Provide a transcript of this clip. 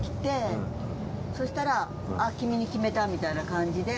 そしたらあっ君に決めたみたいな感じで。